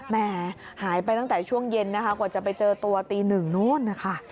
แหมหายไปตั้งแต่ช่วงเย็นกว่าจะไปเจอตัวตีหนึ่งนู้น